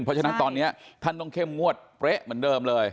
เพราะฉะนั้นตอนนี้ท่านต้องเข้มงวดเป๊ะเหมือนเดิมเลย